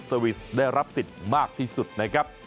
สวิสได้รับสิทธิ์มากที่สุดนะครับ